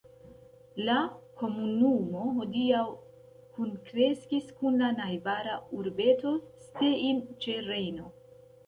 La komunumo hodiaŭ kunkreskis kun la najbara urbeto Stein ĉe Rejno.